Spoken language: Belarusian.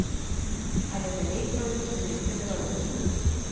Але далей пройдуць менавіта беларусы.